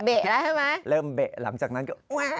เบะแล้วใช่ไหมเริ่มเบะหลังจากนั้นก็